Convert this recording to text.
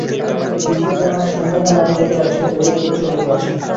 দিব্যপ্রেরণাসম্পন্না নারী যত আছে, ঐরূপ পুরুষও তত আছে।